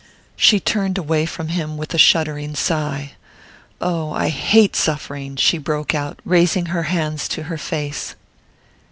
She turned away from him with a shuddering sigh. "Oh, I hate suffering!" she broke out, raising her hands to her face.